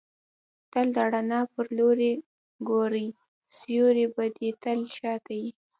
تل د رڼا پر لوري ګورئ! سیوری به دي تل شاته يي.